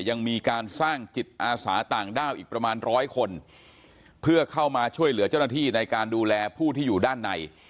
ยังมีการสร้างจิตอาสาต่างด้าวอีกประมาณร้อยคนเพื่อเข้ามาช่วยเหลือเจ้าหน้าที่ในการดูแลผู้ที่อยู่ด้านใน